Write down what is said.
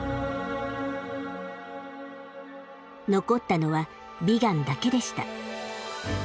残ったのはビガンだけでした。